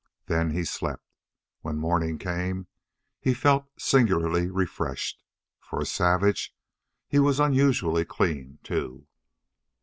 Then he slept. When morning came he felt singularly refreshed. For a savage, he was unusually clean, too.